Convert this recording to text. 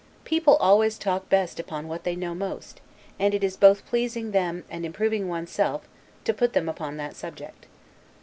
People always talk best upon what they know most, and it is both pleasing them and improving one's self, to put them upon that subject.